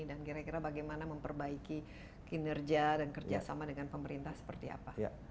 dan kira kira bagaimana memperbaiki kinerja dan kerjasama dengan pemerintah seperti apa